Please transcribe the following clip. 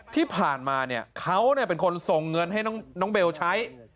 ที่ผ่านมาเขาเป็นคนส่งเงินให้น้องเบลใช้